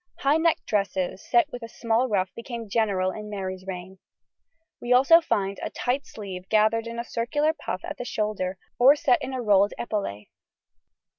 High necked dresses set with a small ruff became general in Mary's reign. We also find a tight sleeve gathered in a circular puff at the shoulder or set in a rolled epaulet.